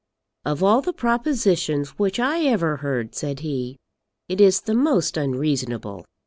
"Of all the propositions which I ever heard," said he, "it is the most unreasonable.